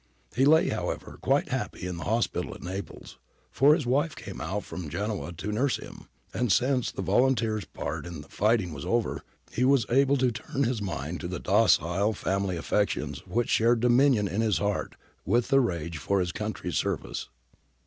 He lay, however, quite happy in the hospital at Naples, for his wife came out from Genoa to nurse him, and since the volunteers' part in the fighting was over he was able to turn his mind to the docile family affections which shared dominion in his heart with the rage for his country's service.